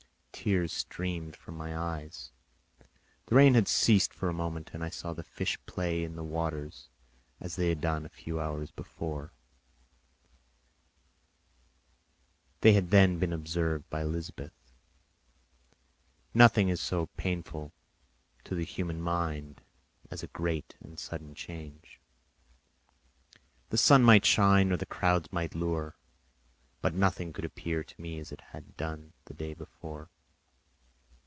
Tears streamed from my eyes. The rain had ceased for a moment, and I saw the fish play in the waters as they had done a few hours before; they had then been observed by Elizabeth. Nothing is so painful to the human mind as a great and sudden change. The sun might shine or the clouds might lower, but nothing could appear to me as it had done the day before.